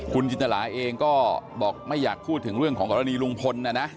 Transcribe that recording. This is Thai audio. คุณจินตราเองก็บอกไม่อยากพูดถึงเรื่องของกรณีลุงพลนะนะ